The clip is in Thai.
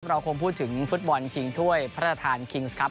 เราคงพูดถึงฟุตบอลชิงถ้วยพระราชทานคิงส์ครับ